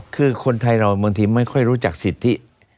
คือคนไทยเราบางทีไม่ค่อยรู้จักสิทธิ